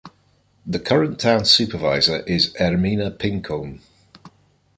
The current Town Supervisor is Ermina Pincombe.